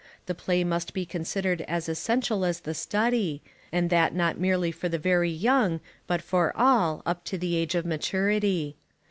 The play must be considered as essential as the study, and that not merely for the very young but for all, up to the age of maturity.